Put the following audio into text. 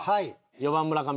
４番村上。